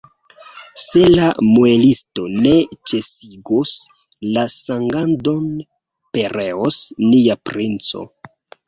Se la muelisto ne ĉesigos la sangadon, pereos nia princo!